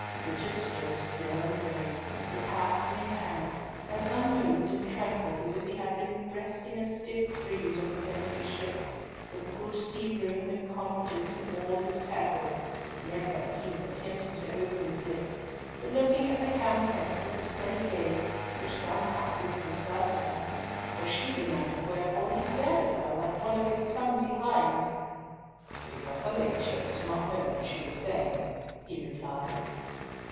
Richard stood still and grave, his hat in his hand, as unmoved and tranquil as if he had been breasting a stiff breeze on the deck of his ship, with good sea room and confidence in all his tackle, never even attempting to open his lips, but looking at the Countess with a steady gaze which somehow disconcerted her, for she demanded wherefore he stared at her like one of his clumsy hinds. "Because her Ladyship does not know what she is saying," he replied.